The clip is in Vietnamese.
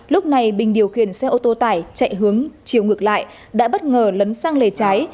lúc này bình điều khiển xe ô tô tải chạy hướng chiều ngược lại đã bất ngờ lấn sang lề trái